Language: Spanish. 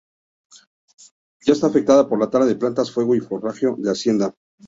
Ya está afectada por tala de plantas, fuego, y forrajeo de hacienda.